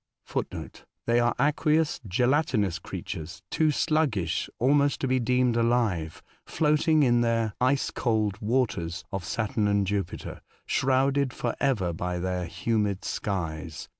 *'' They are aqueous, gelatinous creatures, too sluggish almost to be deemed alive, floating in their (' ice cold ') waters (of Saturn and Jupiter), shrouded for ever by their humid skies."